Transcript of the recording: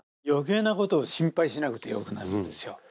余計なことを心配しなくてよくなるんですよ。